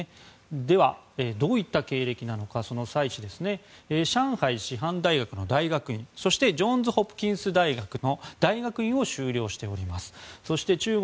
では、どういった経歴なのかそのサイ氏上海師範大学の大学院そしてジョンズ・ホプキンス大学大学院を修了しております。